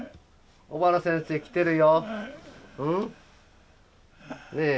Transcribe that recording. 小原先生来てるよ。